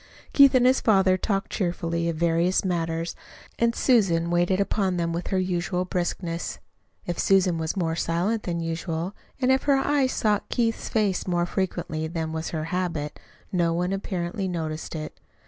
Keith and his father talked cheerfully of various matters, and Susan waited upon them with her usual briskness. If Susan was more silent than usual, and if her eyes sought Keith's face more frequently than was her habit, no one, apparently, noticed it.